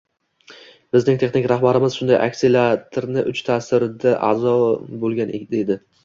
Bizning texnik rahbarimiz shunday akseleratorlarni uch tasida aʼzo boʻlgan edi.